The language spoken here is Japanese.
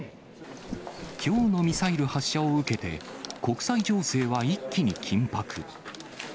きょうのミサイル発射を受けて、国際情勢は一気に緊迫。